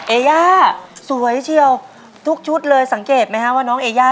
อย่าสวยเชียวทุกชุดเลยสังเกตไหมฮะว่าน้องเอย่า